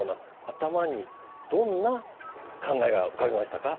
頭にどんな考えが浮かびましたか？